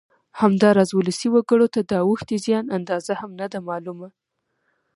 همداراز ولسي وګړو ته د اوښتې زیان اندازه هم نه ده معلومه